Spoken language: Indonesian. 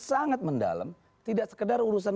sangat mendalam tidak sekedar urusan